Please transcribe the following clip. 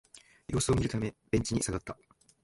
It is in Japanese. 様子を見るためベンチに下がった